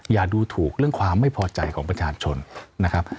อย่าดูถูกเรื่องความไม่พอใจของประชาชนนะครับ